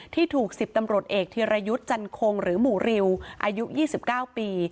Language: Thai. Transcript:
ที่ถูก๑๐ตำรวจเอกธีรยุทธ์จันคงหรือหมู่ริวอายุ๒๙ปี